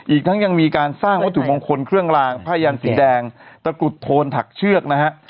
อีกทั้งยังมีการสร้างวัตถุมงคลเครื่องลางผ้ายันสีแดงตะกรุดโทนถักเชือกนะฮะ